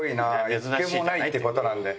１軒もないって事なんで。